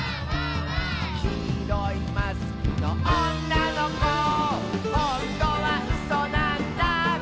「きいろいマスクのおんなのこ」「ほんとはうそなんだ」